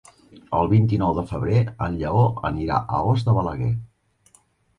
El vint-i-nou de febrer en Lleó anirà a Os de Balaguer.